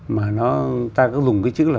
mà nó ta có dùng cái chữ là